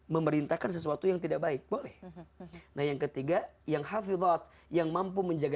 memerintahkan sesuatu yang tidak baik boleh nah yang ketiga yang hafilat yang mampu menjaga